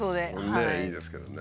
ねえいいですけどね。